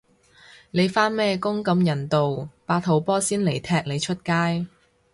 你返咩工咁人道，八號波先嚟踢你出街